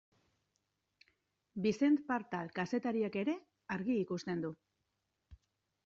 Vicent Partal kazetariak ere argi ikusten du.